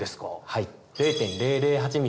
はい。